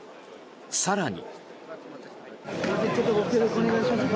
更に。